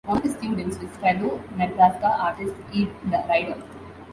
One of his students was fellow Nebraska artist Eve Ryder.